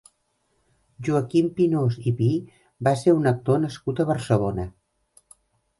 Joaquim Pinós i Pi va ser un actor nascut a Barcelona.